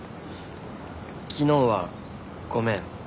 昨日はごめん。